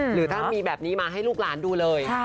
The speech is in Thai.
หรือถ้ามีแบบนี้มาให้ลูกหลานดูเลย